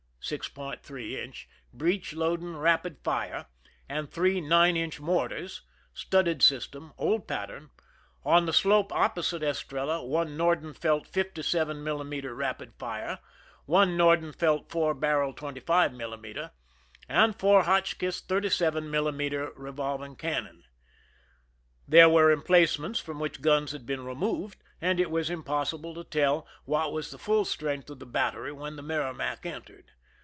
3 inch) breech loading rapid fire, and three 9 inch mortars, studded system, old pattern ; on the slope opposite Es trella, one Nordenfelt 57 millime ter rapid fire, one Nordenfelt four barrel 25 millimeter, and four Hotchkiss 37 millimeter revolving cannon. There were emplace ments from which guns had been removed, and it was impossible to tell what was the full strength of the battery when the Merrimac entered.